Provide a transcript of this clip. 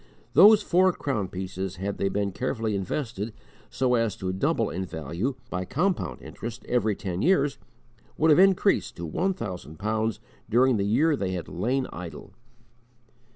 Those four crown pieces had they been carefully invested, so as to double in value, by compound interest, every ten years, would have increased to one thousand pounds during the years they had lain idle!